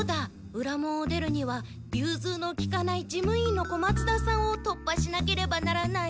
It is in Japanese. うら門を出るにはゆうずうのきかない事務員の小松田さんをとっぱしなければならない。